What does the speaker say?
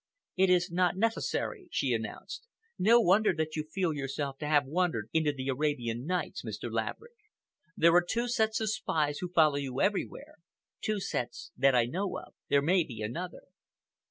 "It is not necessary," she announced. "No wonder that you feel yourself to have wandered into the Arabian Nights, Mr. Laverick. There are two sets of spies who follow you everywhere—two sets that I know of. There may be another."